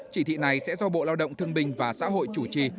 chỉ thị này sẽ do bộ lao động thương bình và xã hội chủ trì